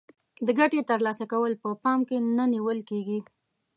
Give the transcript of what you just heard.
د ګټې تر لاسه کول په پام کې نه نیول کیږي.